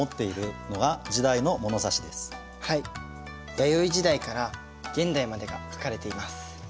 弥生時代から現代までが書かれています。